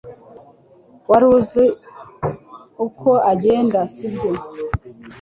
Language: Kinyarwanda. Wari uziko agenda sibyo